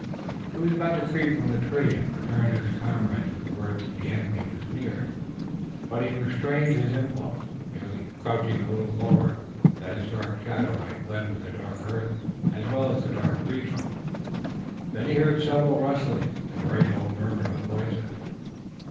He was about to creep from the tree, and return to his comrades with word that the enemy was near, but he restrained his impulse, merely crouching a little lower that his dark shadow might blend with the dark earth as well as the dark trunk. Then he heard several rustlings and the very low murmur of voices.